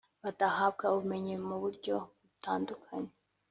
badahabwa ubumenyi mu buryo butandukanye